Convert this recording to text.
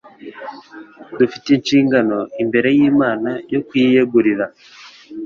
Dufite inshingano imbere y’Imana yo kuyiyegurira